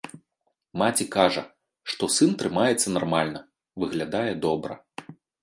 Маці кажа, што сын трымаецца нармальна, выглядае добра.